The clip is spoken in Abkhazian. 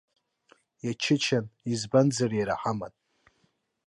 Иачычан, избанзар иара ҳаман.